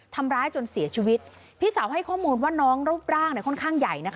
ทำร้ายจนเสียชีวิตพี่สาวให้ข้อมูลว่าน้องรูปร่างค่อนข้างใหญ่นะคะ